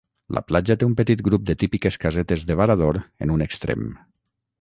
La platja té un petit grup de típiques casetes de varador en un extrem.